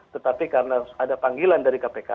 tetapi karena ada panggilan dari kpk